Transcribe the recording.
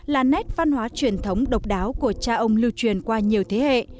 là nét văn hóa truyền thống độc đáo của cha ông lưu truyền qua nhiều thế hệ